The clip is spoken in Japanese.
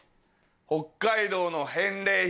「北海道の返礼品